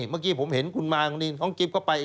เมื่อกี้ผมเห็นคุณมาคุณน้องกิ๊บเข้าไป